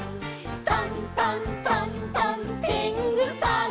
「トントントントンてんぐさん」